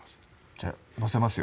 じゃあ載せます